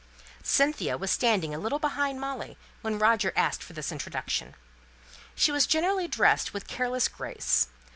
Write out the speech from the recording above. Cynthia was standing a little behind Molly when Roger asked for this introduction. She was generally dressed with careless grace.